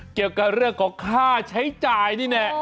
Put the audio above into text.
เกี่ยวกับเรื่องของค่าใช้จ่ายนี่แหละ